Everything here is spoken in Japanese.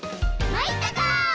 まいったか」